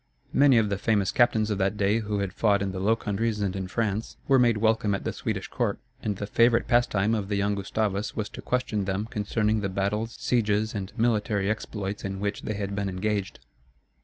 Many of the famous captains of that day who had fought in the Low Countries and in France, were made welcome at the Swedish court; and the favorite pastime of the young Gustavus was to question them concerning the battles, sieges, and military exploits in which they had been engaged.